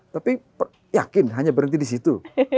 tapi yakin hanya berhenti disitu